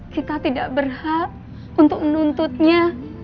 kita tidak berhak untuk menuntutnya